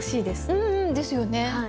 うんうんですよね。